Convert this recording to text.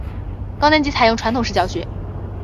高年级采用传统式教学。